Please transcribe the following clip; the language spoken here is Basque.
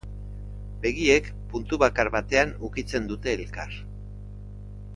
Begiek puntu bakar batean ukitzen dute elkar.